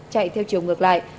chạy theo chiều ngược lại